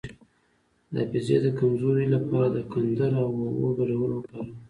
د حافظې د کمزوری لپاره د کندر او اوبو ګډول وکاروئ